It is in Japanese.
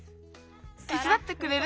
てつだってくれる？